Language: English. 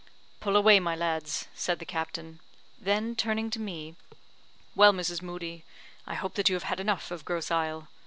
"Pull away, my lads!" said the captain. Then turning to me, "Well, Mrs. Moodie, I hope that you have had enough of Grosse Isle.